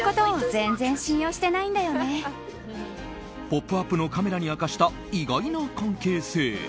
「ポップＵＰ！」のカメラに明かした意外な関係性。